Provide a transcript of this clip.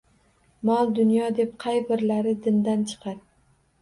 Mol-dunyo deb qay birlari dindan chiqar